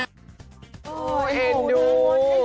โอ๊ยเอ็นดู